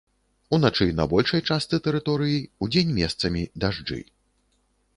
Уначы на большай частцы тэрыторыі, удзень месцамі дажджы.